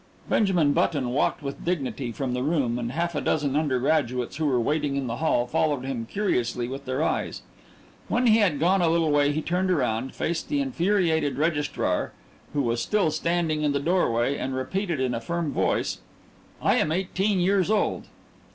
Benjamin Button walked with dignity from the room, and half a dozen undergraduates, who were waiting in the hall, followed him curiously with their eyes. When he had gone a little way he turned around, faced the infuriated registrar, who was still standing in the door way, and repeated in a firm voice: "I am eighteen years old."